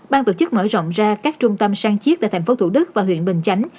bang tổ chức mở rộng ra các trung tâm sang chiếc tại thành phố thủ đức và huyện bình chánh